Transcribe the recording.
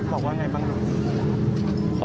บอกว่าอย่างไรบ้างครับ